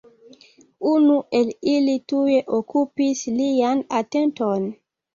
Unu el ili tuj okupis lian atenton.